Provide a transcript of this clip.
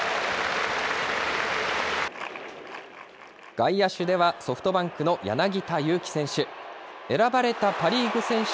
外野手ではソフトバンクの柳田悠岐選手。